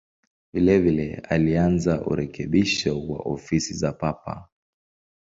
Vilevile alianza urekebisho wa ofisi za Papa.